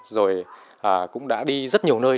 rồi cũng đã đi rất nhiều nơi